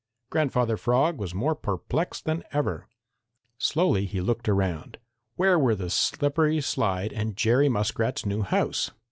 Grandfather Frog was more perplexed than ever. Slowly he looked around. Where were the slippery slide and Jerry Muskrat's new house?